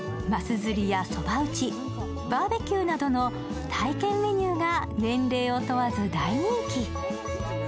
釣りやそば打ち、バーベキューなどの体験メニューが年齢を問わず大人気。